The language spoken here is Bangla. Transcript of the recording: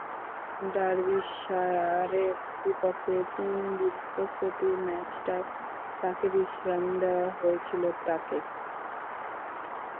ডার্বিশায়ারের বিপক্ষে তিন দিনের প্রস্তুতি ম্যাচটায় তাঁকে বিশ্রাম দেওয়া হয়েছিল তাঁকে।